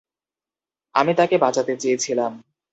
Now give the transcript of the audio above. আমি তাকে বাঁচাতে চেয়েছিলাম।